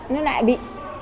nó lại bị